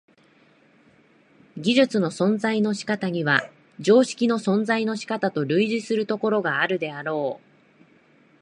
技術の存在の仕方には常識の存在の仕方と類似するところがあるであろう。